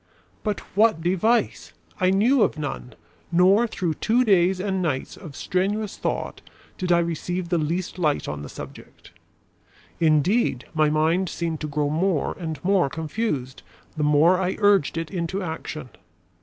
But what device? I knew of none, nor through two days and nights of strenuous thought did I receive the least light on the subject. Indeed, my mind seemed to grow more and more confused the more I urged it into action.